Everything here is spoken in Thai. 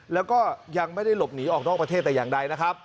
แล้วก็ยังไม่ได้หลบหนีออกนอกประเทศแต่อย่างใดนะครับ